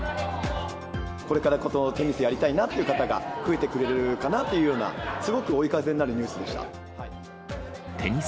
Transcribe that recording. これからテニスをやりたいなって方が増えてくれるかなというような、すごく追い風になるニュテニス